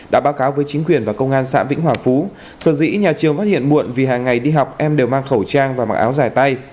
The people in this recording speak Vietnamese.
đã báo cáo với chính quyền và công an xã vĩnh hòa phú sở dĩ nhà trường phát hiện muộn vì hàng ngày đi học em đều mang khẩu trang và mặc áo dài tay